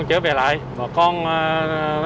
nhìn bà con đó